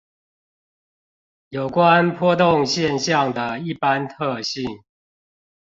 有關波動現象的一般特性